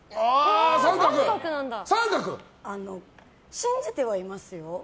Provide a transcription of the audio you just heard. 信じてはいますよ。